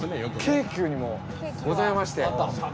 京急にもございまして。